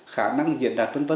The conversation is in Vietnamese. khả năng diện đạt v v